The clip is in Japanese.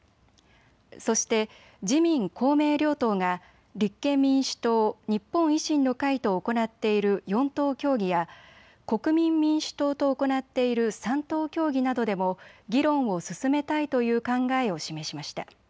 そして自民公明両党が立憲民主党、日本維新の会と行っている４党協議や国民民主党と行っている３党協議などでも議論を進めたいという考えを示しました。